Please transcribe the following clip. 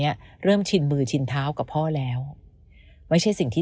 พี่ชายของน้องก็จริงใจและจริงจังนะ